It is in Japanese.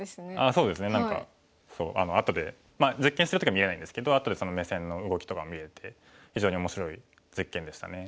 そうですね何かあとで実験してる時は見えないんですけどあとで目線の動きとか見れて非常に面白い実験でしたね。